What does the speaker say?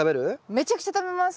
めちゃくちゃ食べます。